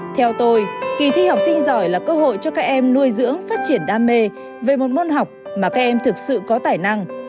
theo tôi kỳ thi học sinh giỏi là cơ hội cho các em nuôi dưỡng phát triển đam mê về một môn học mà các em thực sự có tài năng